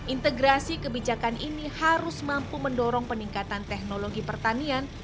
integrasi kebijakan ini harus mampu mendorong peningkatan teknologi pertanian